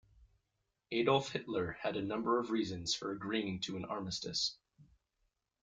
Adolf Hitler had a number of reasons for agreeing to an armistice.